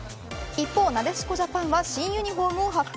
一方、なでしこジャパンは新ユニフォームを発表。